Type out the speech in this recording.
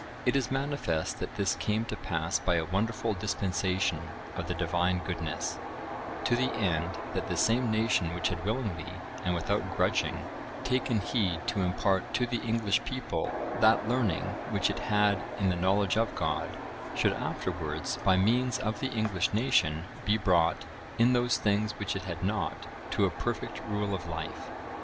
(992) It is manifest that this came to pass by a wonderful dispensation of the Divine goodness; to the end, that the same nation which had willingly, and without grudging, taken heed to impart to the English people that learning which it had in the knowledge of God, should afterwards, by means of the English nation, be brought, in those things which it had not, to a perfect rule of life.